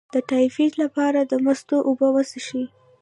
د ټایفایډ لپاره د مستو اوبه وڅښئ